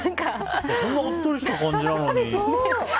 こんなおっとりした感じなのに。